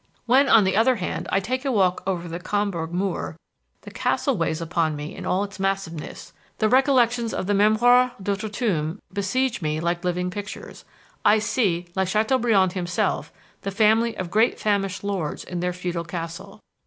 "When, on the other hand, I take a walk over the Comburg moor, the castle weighs upon me in all its massiveness; the recollections of the Mémoires d'Outre tombe besiege me like living pictures. I see, like Chateaubriand himself, the family of great famished lords in their feudal castle.